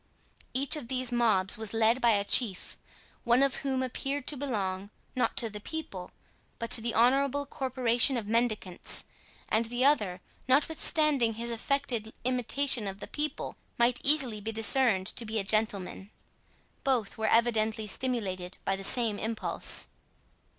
Each of these mobs was led by a chief, one of whom appeared to belong, not to the people, but to the honorable corporation of mendicants, and the other, notwithstanding his affected imitation of the people, might easily be discerned to be a gentleman. Both were evidently stimulated by the same impulse.